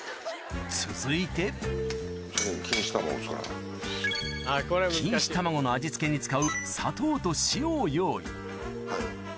続いて錦糸卵の味付けに使う砂糖と塩を用意